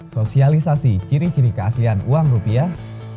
sosialisasi ciri ciri keaslian uang rupiah